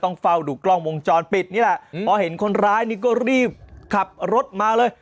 เฝ้าดูกล้องวงจรปิดนี่แหละพอเห็นคนร้ายนี่ก็รีบขับรถมาเลย